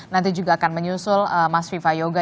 nanti juga akan menyusul mas viva yoga